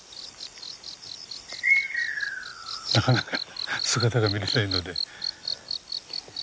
なかなか姿が見れないので。